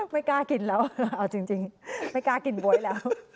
ไม่กล้ากินแล้วเอาจริงไม่กล้ากินบ๊วยแล้ว